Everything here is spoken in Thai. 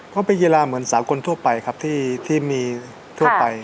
ก็เป็นกีฬาเหมือนสาวคนทั่วไปครับที่มีทั่วไป